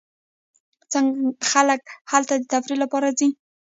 خلک هلته د تفریح لپاره ځي.